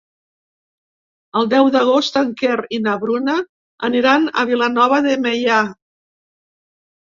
El deu d'agost en Quer i na Bruna aniran a Vilanova de Meià.